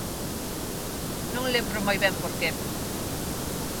Non lembro moi ben por que.